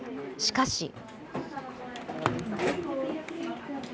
しかし。